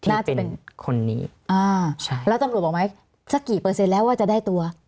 แล้วตำรวจบอกไหมสักกี่เปอร์เซ็นต์แล้วว่าจะได้ตัว